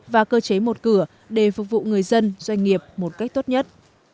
và cơ chế một cửa để phục vụ người dân doanh nghiệp một cách tốt nhất